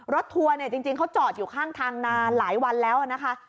ทัวร์เนี่ยจริงเขาจอดอยู่ข้างทางนานหลายวันแล้วนะคะ